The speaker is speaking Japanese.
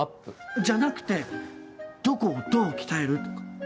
じゃなくてどこをどう鍛えるとか。